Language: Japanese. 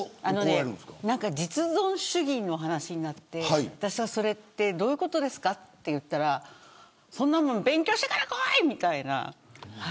実存主義の話になって私は、それってどういうことですかと言ったらそんなもの勉強してから来いみたいな。